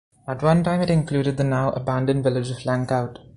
At one time it included the now-abandoned village of Lancaut.